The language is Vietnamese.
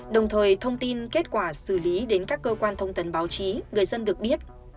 đồng thời thông tin kết quả xử lý đến các cơ quan thông tấn báo chí người dân được biết